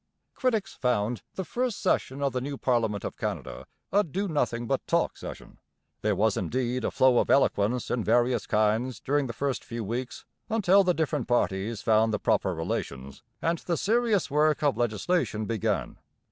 Critics found the first session of the new parliament of Canada a 'do nothing but talk' session. There was indeed a flow of eloquence in various kinds during the first few weeks until the different parties found the proper relations and the serious work of legislation began.